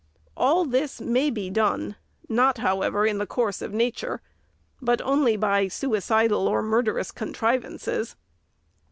All this may be done ; not however in the course of nature, but only by suicidal or murderous con trivances.